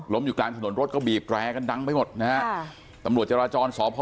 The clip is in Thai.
ล้มอยู่กลางถนนรถก็บีบแกร่กันดังไม่หมดนะฮะตัมบุรูปเจราะจรสอบของ